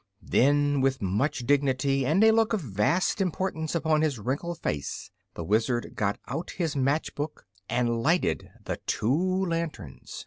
] Then, with much dignity and a look of vast importance upon his wrinkled face, the Wizard got out his match box and lighted the two lanterns.